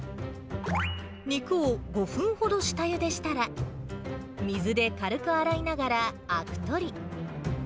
肉を５分ほど下ゆでしたら、水で軽く洗いながらあく取り。